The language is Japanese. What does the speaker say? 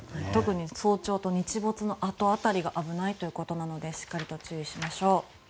特に早朝と日没のあと辺りが危ないということなのでしっかり注意しましょう。